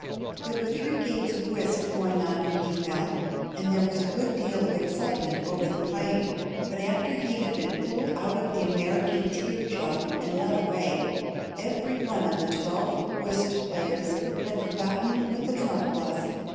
There were three games of whist going on when he fell, and there was a good deal of excitement over the playing, but after he had been pulled out of the American tear jug and led away, everyone of the twelve whist players had forgotten what the trump was.